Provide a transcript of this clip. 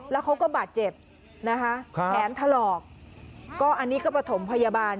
แล้วเขาก็บาดเจ็บนะคะแขนถลอกก็อันนี้ก็ประถมพยาบาล